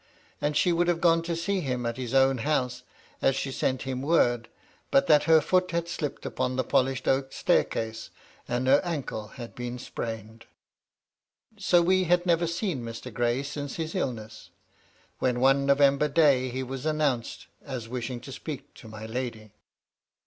And he would have gone to see him at his own house, as she sent him word, but that her foot had slipped upon the polished oak staircase, and her ancle had been sprained. So we had never seen Mr. Gray since his illness, when one November day he was announced as wishing to speak to my lady.